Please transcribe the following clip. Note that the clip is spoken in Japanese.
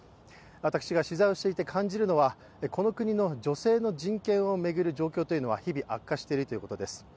私が取材をしていて感じるのはこの国の女性の人権を巡る状況というのは日々、悪化しているということです。